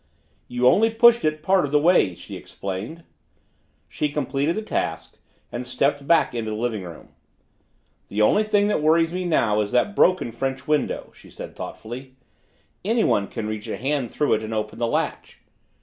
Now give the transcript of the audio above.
"You only pushed it part of the way," she explained. She completed the task and stepped back into the living room. "The only thing that worries me now is that broken French window," she said thoughtfully. "Anyone can reach a hand through it and open the latch."